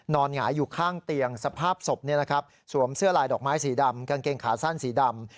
หงายอยู่ข้างเตียงสภาพศพสวมเสื้อลายดอกไม้สีดำกางเกงขาสั้นสีดำ